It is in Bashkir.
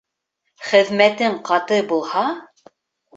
Хеҙмәтең ҡаты булһа